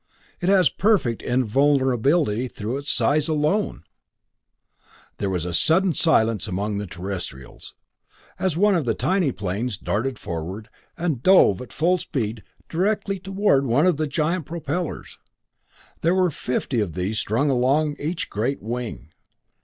"It has perfect invulnerability through size alone." There was sudden silence among the Terrestrials as one of the tiny planes darted forward and dove at full speed directly toward one of the giant's propellers. There were fifty of these strung along each great wing.